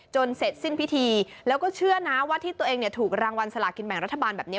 เสร็จสิ้นพิธีแล้วก็เชื่อนะว่าที่ตัวเองเนี่ยถูกรางวัลสลากินแบ่งรัฐบาลแบบนี้